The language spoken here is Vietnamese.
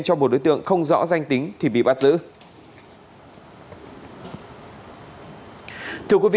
cho một đối tượng không rõ danh tính thì bị bắt giữ